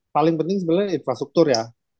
paling penting sebenarnya infrastruktur ya